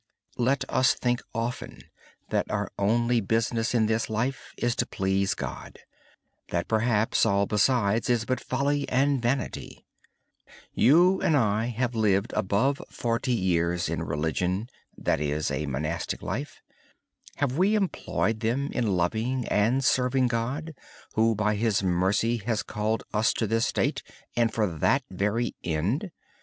Let us often consider that our only business in this life is to please God, that perhaps all besides is but folly and vanity. You and I have lived over forty years in the monastic life. Have we employed them in loving and serving God, who by His mercy has called us to this state and for that very end?